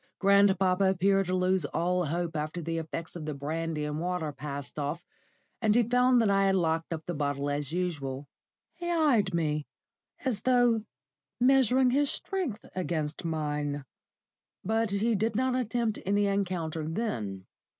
Grandpapa appeared to lose all hope after the effects of the brandy and water passed off, and he found that I had locked up the bottle as usual. He eyed me, as though measuring his strength against mine, but he did not attempt any encounter then.